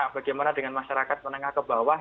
bagaimana dengan masyarakat menengah ke bawah